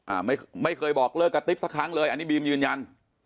ไม่ไม่เคยบอกเลิกกระติ๊บสักครั้งเลยอันนี้บีมยืนยัน